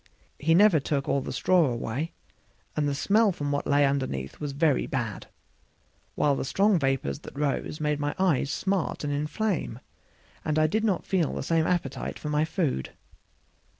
He never took all the straw away, and the smell from what lay underneath was very bad; while the strong vapors that rose made my eyes smart and inflame, and I did not feel the same appetite for my food.